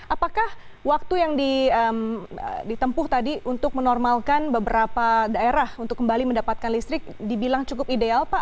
apakah waktu yang ditempuh tadi untuk menormalkan beberapa daerah untuk kembali mendapatkan listrik dibilang cukup ideal pak